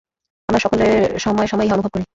আমরা সকলে সময়ে সময়ে ইহা অনুভব করি।